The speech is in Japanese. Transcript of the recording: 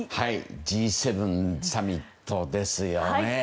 Ｇ７サミットですよね。